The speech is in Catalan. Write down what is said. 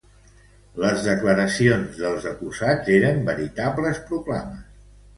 Les declaracions dels acusats eren veritables proclames.